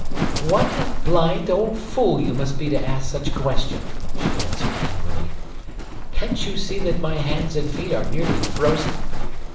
'What a blind old fool you must be to ask such a question!' she answered angrily. 'Can't you see that my hands and feet are nearly frozen?